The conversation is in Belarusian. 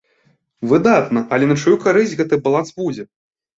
Выдатна, але на чыю карысць гэты баланс будзе?